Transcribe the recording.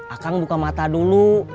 akang buka mata dulu